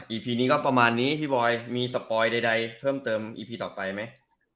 พีนี้ก็ประมาณนี้พี่บอยมีสปอยใดเพิ่มเติมอีพีต่อไปไหม